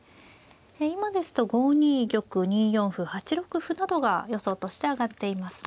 今ですと５二玉２四歩８六歩などが予想として挙がっていますね。